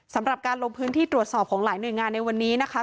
สำหรับการลงพื้นที่ตรวจสอบของหลายหน่วยงานในวันนี้นะคะ